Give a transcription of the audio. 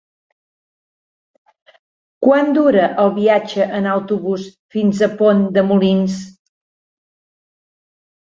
Quant dura el viatge en autobús fins a Pont de Molins?